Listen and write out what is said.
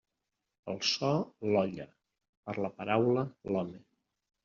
Pel so, l'olla; per la paraula, l'home.